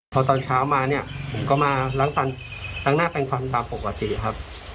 พอตอนเช้ามาเนี่ยผมก็มาล้างฟันล้างหน้าแปลงฟันตามปกติครับ